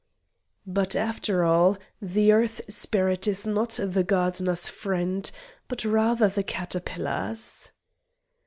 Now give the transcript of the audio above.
But, after all, the Earth spirit is not the gardener's friend, but rather the caterpillar's.